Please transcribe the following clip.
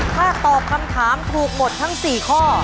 ถ้าตอบคำถามถูกหมดทั้ง๔ข้อ